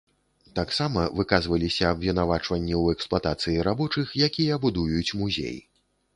Таксама выказваліся абвінавачванні ў эксплуатацыі рабочых, якія будуюць музей.